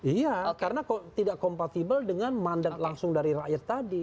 iya karena tidak kompatibel dengan mandat langsung dari rakyat tadi